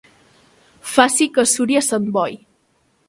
Faci que suri a Sant Boi.